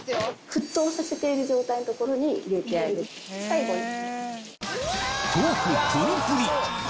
沸騰させている状態のところに入れてあげる最後に。